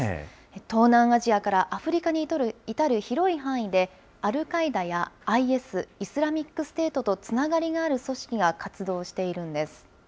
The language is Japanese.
東南アジアからアフリカに至る広い範囲で、アルカイダやＩＳ・イスラミックステートとつながりがある組織が活動しているんです。